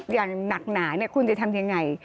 อย่างหนักหนาคุณจะทำยังไง